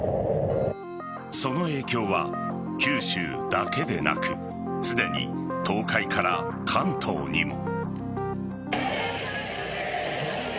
その影響は九州だけでなくすでに東海から関東にも。